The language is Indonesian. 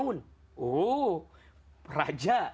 ada yang bilang gak pernah sakit